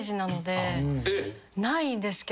ないですけど。